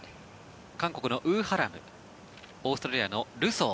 韓国のウ・ハラムオーストラリアのルソー。